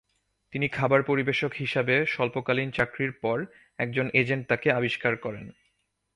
তিনি খাবার পরিবেশক হিসাবে স্বল্পকালীন চাকরির পর, একজন এজেন্ট তাকে আবিষ্কার করেন।